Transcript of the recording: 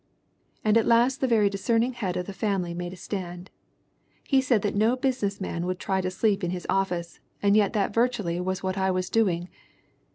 "And at last the very discerning head of the family made a stand. He said that no business man would try to sleep in his office, and yet that virtually was what I was doing."